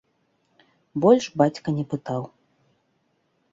Больш бацька не пытаў.